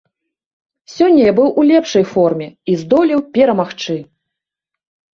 Сёння я быў у лепшай форме і здолеў перамагчы.